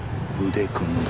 腕組んだ。